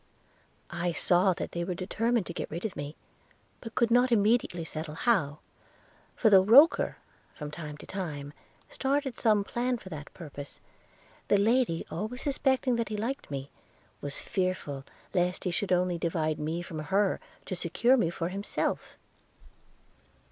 'I saw that they were determined to get rid of me, but could not immediately settle how; for though Roker, from time to time, started some plan for that purpose, the lady, always suspecting that he liked me, was fearful lest he should only divide me from her, to secure me to himself.'